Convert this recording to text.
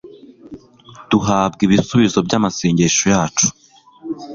Duhabwa ibisubizo by’amasengesho yacu